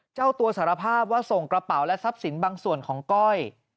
เจ้าตัวสารภาพว่าส่งกระเป๋าและทรัพย์สินบางส่วนของก้อย